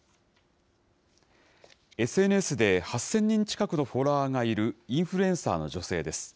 ＳＮＳで８０００人近くのフォロワーがいるインフルエンサーの女性です。